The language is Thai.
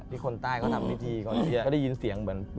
ที่คนใต้เขาทำนิดที่